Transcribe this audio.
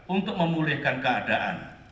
untuk memulihkan keadaan